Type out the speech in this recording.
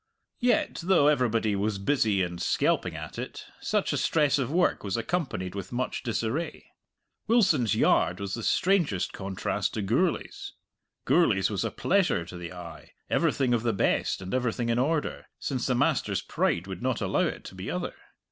Yet, though everybody was busy and skelping at it, such a stress of work was accompanied with much disarray. Wilson's yard was the strangest contrast to Gourlay's. Gourlay's was a pleasure to the eye, everything of the best and everything in order, since the master's pride would not allow it to be other.